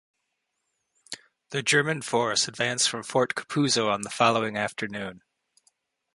The German force advanced from Fort Capuzzo on the following afternoon.